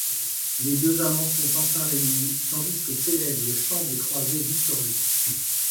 Les deux amants sont enfin réunis, tandis que s’élève le chant des Croisés victorieux.